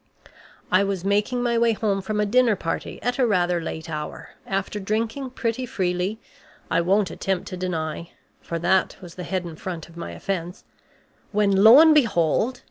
"I was making my way home from a dinner party at a rather late hour, after drinking pretty freely, I won't attempt to deny for that was the head and front of my offense when, lo and behold!